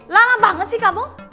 lala banget sih kamu